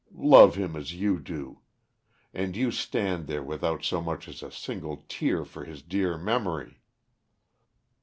Love him as you do! And you stand there without so much as a single tear for his dear memory."